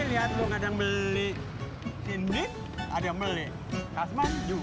lihat lu nggak ada yang beli sindik ada yang beli kasman juga